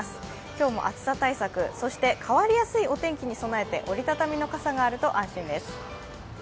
今日も暑さ対策、そして変わりやすいお天気に備えて折り畳みの傘があると安心です。